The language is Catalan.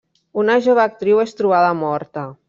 Una jove actriu és trobada morta.